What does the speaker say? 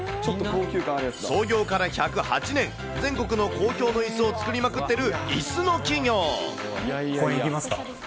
創業から１０８年、全国の公共のいすを作りまくっているいすの企業。